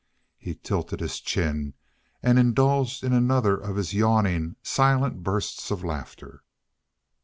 He tilted his chin and indulged in another of his yawning, silent bursts of laughter.